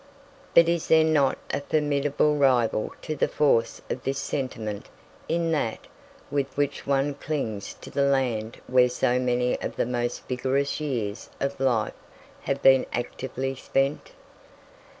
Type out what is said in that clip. But is there not a formidable rival to the force of this sentiment in that with which one clings to the land where so many of the most vigorous years of life have been actively spent?